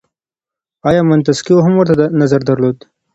آیا منتسکیو هم ورته نظر درلود؟